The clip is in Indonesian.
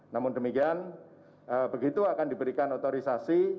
namun demikian begitu akan diberikan otorisasi